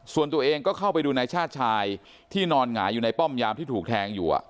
ส่วนตัวเองก็เข้าไปดูนายชาติชายที่นอนหงายอยู่ในป้อมยามที่ถูกแทงอยู่